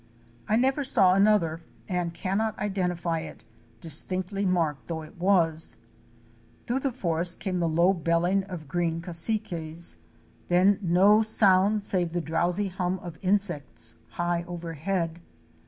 I never saw another and cannot identify it, distinctly marked though it was. Through the forest came the low belling of Green Cassiques; * then JUNGLE LIFE AT AREMU. 299 no sound save the drowsy hum of insects high overhead.